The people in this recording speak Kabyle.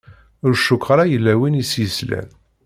Ur cukkeɣ ara yella win i s-yeslan.